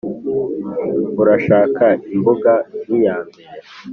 urashaka imbuga nk'iyambere